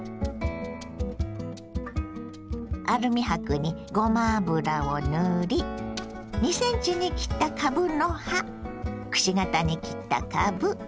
アルミ箔にごま油を塗り２ｃｍに切ったかぶの葉くし形に切ったかぶ。